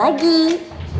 lah lah lah